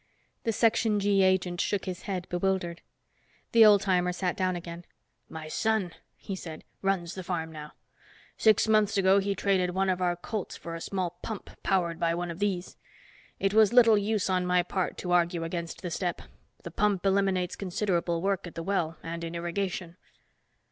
The Section G agent shook his head, bewildered. The old timer sat down again. "My son," he said, "runs the farm now. Six months ago, he traded one of our colts for a small pump, powered by one of these. It was little use on my part to argue against the step. The pump eliminates considerable work at the well and in irrigation."